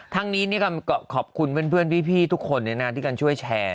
ทั้งนี้ขอบคุณเพื่อนพี่ทุกคนที่กันช่วยแชร์